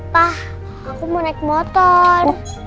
pak aku mau naik motor